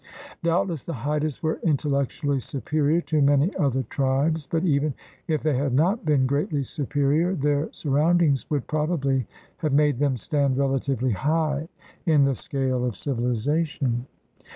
Doubtless the Haidas were intellectually superior to many other tribes, but even if they had not been greatly superior, their surroundings would probably have made them stand relatively high in the scale of civilization.